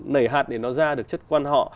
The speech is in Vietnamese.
nảy hạt để nó ra được chất quan họ